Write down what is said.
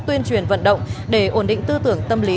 tuyên truyền vận động để ổn định tư tưởng tâm lý